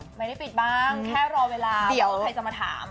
แค่รอเวลาแต่ใครจะมาถาม